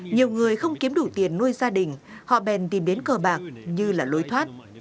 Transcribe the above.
nhiều người không kiếm đủ tiền nuôi gia đình họ bèn tìm đến cờ bạc như là lối thoát